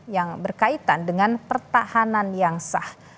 yang berkaitan dengan pertahanan yang sah